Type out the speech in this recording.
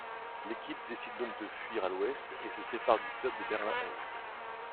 L'équipe décide donc de fuir à l'Ouest et se sépare du club de Berlin-Est.